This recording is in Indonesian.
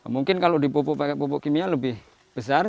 mungkin kalau dipupuk pakai pupuk kimia lebih besar